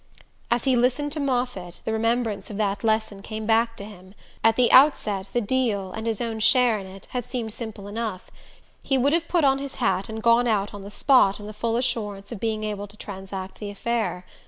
As he listened to Moffatt the remembrance of that lesson came back to him. At the outset the "deal," and his own share in it, had seemed simple enough: he would have put on his hat and gone out on the spot in the full assurance of being able to transact the affair.